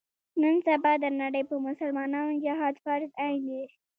نن سبا د نړۍ په مسلمانانو جهاد فرض عین دی.